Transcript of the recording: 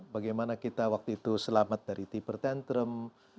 bagaimana kita waktu itu selamat dari tipe tantrum